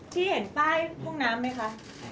ที่เห็นป้ายห้องน้ำไหมคะ